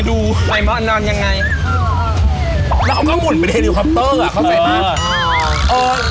คือที่กว่าเต่าขวางแล้วที่พี่เขารอมาก